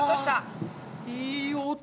いい音！